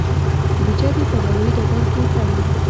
د جدې په هوايي ډګر کې تړي.